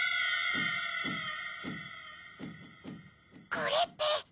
これって。